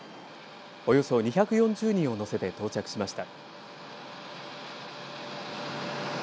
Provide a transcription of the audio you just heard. およそ２４０人を乗せて到着しました。